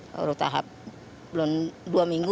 baru tahap belum dua minggu